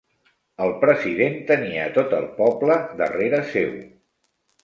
El president tenia tot el poble darrere seu.